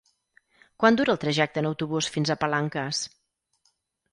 Quant dura el trajecte en autobús fins a Palanques?